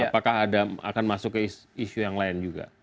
apakah ada akan masuk ke isu yang lain juga